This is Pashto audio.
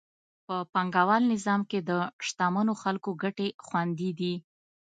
په پانګوال نظام کې د شتمنو خلکو ګټې خوندي دي.